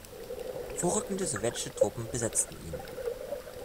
Vorrückende sowjetische Truppen besetzten ihn.